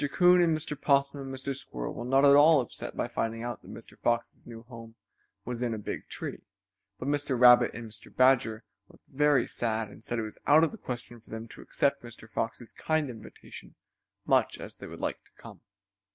Coon and Mr. Possum and Mr. Squirrel were not at all upset by finding out that Mr. Fox's new home was in the big tree, but Mr. Rabbit and Mr. Badger looked very sad and said it was out of the question for them to accept Mr. Fox's kind invitation, much as they would like to come.